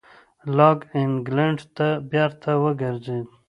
لاک انګلېنډ ته بېرته وګرځېد.